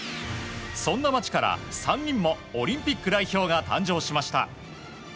そんな町から３人もオリンピック代表が誕生しました。